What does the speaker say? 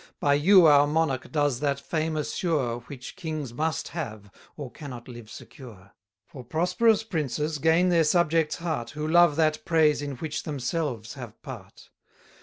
By you our monarch does that fame assure, Which kings must have, or cannot live secure: 80 For prosperous princes gain their subjects' heart, Who love that praise in which themselves have part.